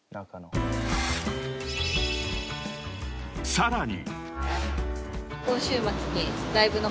［さらに］